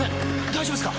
大丈夫ですか！？